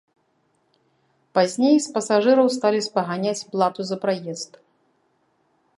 Пазней з пасажыраў сталі спаганяць плату за праезд.